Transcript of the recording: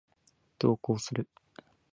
来週ディズニーに行く予定です